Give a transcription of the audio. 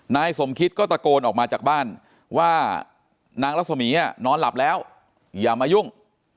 นายสมคิดก็ตะโกนออกมาจากบ้านว่านางรัศมีนอนหลับแล้วอย่ามายุ่ง